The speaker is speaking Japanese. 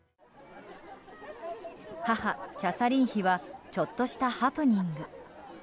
母キャサリン妃はちょっとしたハプニング。